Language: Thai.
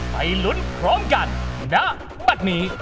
ไปรุ้นพร้อมกันณแบบนี้